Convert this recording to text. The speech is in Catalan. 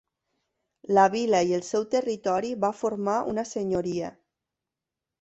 La vila i el seu territori va formar una senyoria.